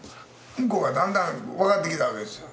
向こうはだんだん分かってきたわけですよ。